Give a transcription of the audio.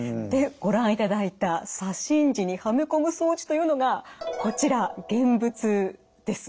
ご覧いただいた左心耳にはめこむ装置というのがこちら現物です。